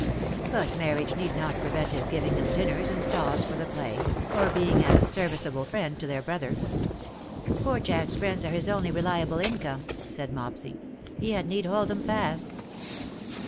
But marriage need not prevent his giving them dinners and stalls for the play^ or being a serviceable friend to their brother. ^' Poor Jack^s friends are his only reliable income^" said Mopsy. " He had need hold them fast."'''